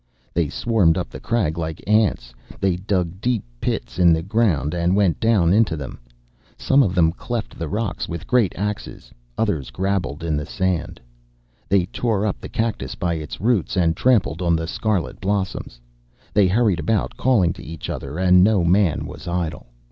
They swarmed up the crag like ants. They dug deep pits in the ground and went down into them. Some of them cleft the rocks with great axes; others grabbled in the sand. They tore up the cactus by its roots, and trampled on the scarlet blossoms. They hurried about, calling to each other, and no man was idle.